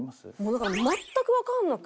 だから全くわかんなくて。